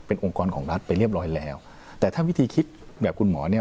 องค์กรของรัฐไปเรียบร้อยแล้วแต่ถ้าวิธีคิดแบบคุณหมอเนี่ย